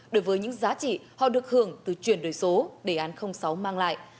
đối với những giá trị họ được hưởng từ chuyển đổi số đề án sáu mang lại